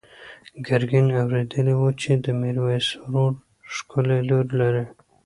ګرګین اورېدلي وو چې د میرویس ورور ښکلې لور لري.